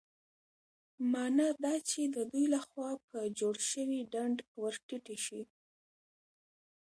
مانا دا چې د دوی له خوا په جوړ شوي ډنډ ورټيټې شي.